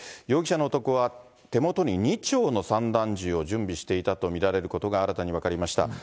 容疑者の男は、手元に２丁の散弾銃を準備していたとみられることが、新たに分かりました。